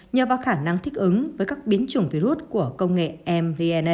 nhờ vào khả năng thích ứng với các biến chủng virus của công nghệ mvna